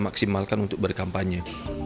maksimalkan untuk berkampanye